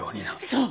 そう！